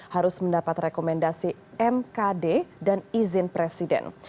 harus mendapat rekomendasi mkd dan izin presiden